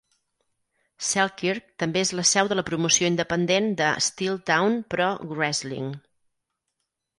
Selkirk també és la seu de la promoció independent de Steeltown Pro Wrestling.